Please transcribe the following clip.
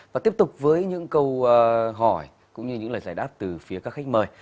và tiếp tục với những câu hỏi cũng như những lời giải đáp từ phía các khách mời